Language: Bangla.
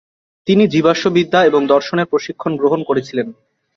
তিনি জীবাশ্মবিদ্যা এবং দর্শনের প্রশিক্ষণ গ্রহণ করেছিলেন।